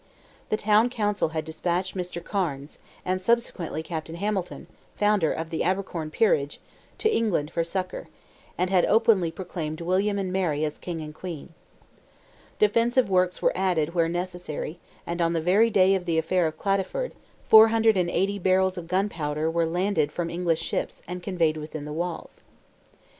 The Town Council had despatched Mr. Cairnes, and subsequently Captain Hamilton, founder of the Abercorn peerage, to England for succour, and had openly proclaimed William and Mary as King and Queen. Defensive works were added, where necessary, and on the very day of the affair of Cladyford, 480 barrels of gunpowder were landed from English ships and conveyed within the walls.